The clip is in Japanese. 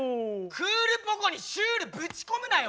クールポコ。にシュールぶち込むなよ！